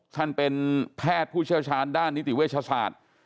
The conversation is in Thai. ท่านเป็นแพทย์ผู้เชี่ยวชาญด้านนิติเวชศาสตร์